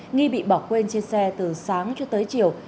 nghi bị bỏ quên trên xe từ sáng cho tới chiều